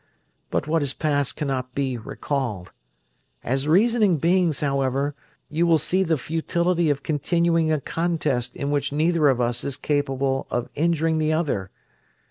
But what is past cannot be recalled. As reasoning beings, however, you will see the futility of continuing a contest in which neither of us is capable of injuring the other.